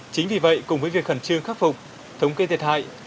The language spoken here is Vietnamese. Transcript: chính vì vậy cùng với việc khẩn trương khắc phục thống kê thiệt hại